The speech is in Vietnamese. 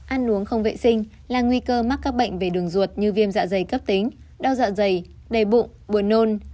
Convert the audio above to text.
ăn uống không vệ sinh là nguy cơ mắc các bệnh về đường ruột như viêm dạ dày cấp tính đau dạ dày đầy bụng buồn nôn